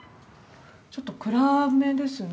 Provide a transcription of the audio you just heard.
ちょっと暗めですね玄関。